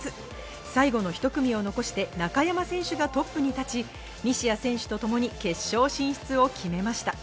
最後のひと組を残して中山選手がトップに立ち、西矢選手とともに決勝進出を決めました。